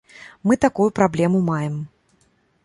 Мы такую праблему маем.